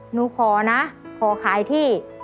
หนูขอนะขอขายที่